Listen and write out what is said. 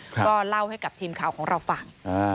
ก็เล่าให้กับทีมข่าวของเราฟัง